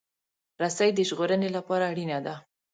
رسۍ د ژغورنې لپاره اړینه ده.